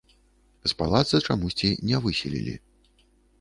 З палаца чамусьці не выселілі.